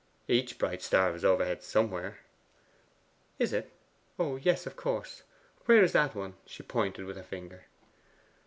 'Each bright star is overhead somewhere.' 'Is it? Oh yes, of course. Where is that one?' and she pointed with her finger.